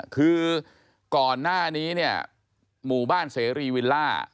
คือก่อนหน้านี้เนี่ยหมู่บ้านเสรีวิลล่า